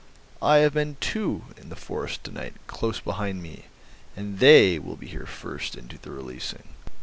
I have men, too, in the forest to night, close behind me, and they will be here first and do the releasing.